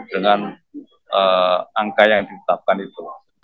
dengan angka yang ditetapkan itu